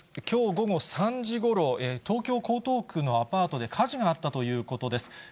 きょう午後３時ごろ、東京・江東区のアパートで火事があったということです。